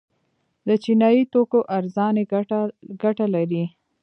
د چینایي توکو ارزاني ګټه لري؟